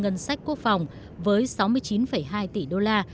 ngân sách quốc phòng với sáu mươi chín hai tỷ đô la